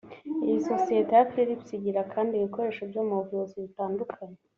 Iyi sosiyete ya Philips igira kandi ibikoresho byo mu buvuzi bitandukanye